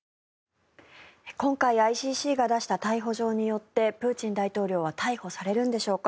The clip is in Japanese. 今回ＩＣＣが出した逮捕状によってプーチン大統領は逮捕されるんでしょうか